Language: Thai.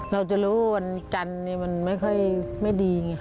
เราจะรู้ว่าวันจันทร์มันไม่ค่อยไม่ดีไง